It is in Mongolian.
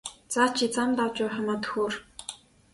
За чи замд авч явах юмаа төхөөр!